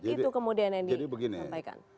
itu kemudian yang di sampaikan